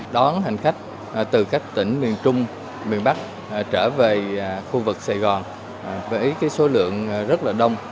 đón hành khách từ các tỉnh miền trung miền bắc trở về khu vực sài gòn với số lượng rất là đông